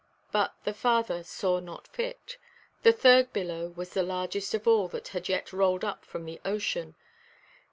But the Father saw not fit; the third billow was the largest of all that had yet rolled up from the ocean.